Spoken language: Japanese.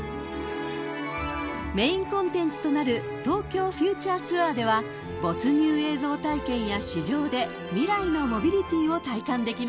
［メインコンテンツとなるＴｏｋｙｏＦｕｔｕｒｅＴｏｕｒでは没入映像体験や試乗で未来のモビリティを体感できます］